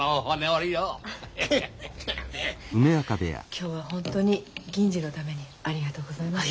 今日はホントに銀次のためにありがとうございました。